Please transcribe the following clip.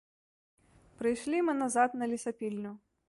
Прыйшлі мы назад на лесапільню.